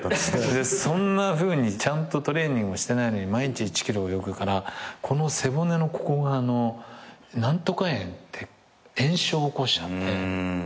そんなふうにちゃんとトレーニングをしてないのに毎日１ｋｍ泳ぐから背骨のここが何とか炎って炎症を起こしちゃって。